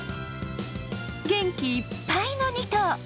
元気いっぱいの２頭。